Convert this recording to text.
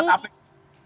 selamat buat apeksi